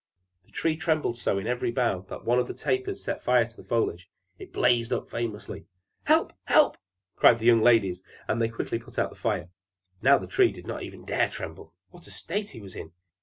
The Tree trembled so in every bough that one of the tapers set fire to the foliage. It blazed up famously. "Help! Help!" cried the young ladies, and they quickly put out the fire. Now the Tree did not even dare tremble. What a state he was in!